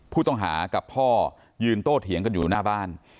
ผู้ต้องหากับพ่อยืนโต้เถียงกันอยู่หน้าบ้าน